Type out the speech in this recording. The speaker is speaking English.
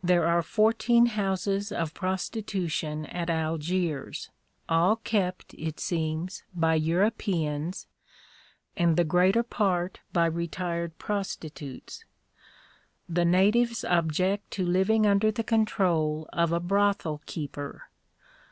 There are fourteen houses of prostitution at Algiers, all kept, it seems, by Europeans, and the greater part by retired prostitutes. The natives object to living under the control of a brothel keeper.